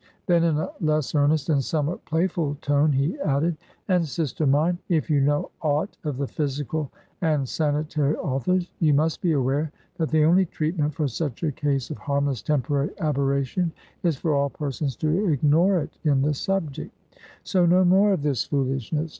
Then in a less earnest and somewhat playful tone, he added: "And sister mine, if you know aught of the physical and sanitary authors, you must be aware, that the only treatment for such a case of harmless temporary aberration, is for all persons to ignore it in the subject. So no more of this foolishness.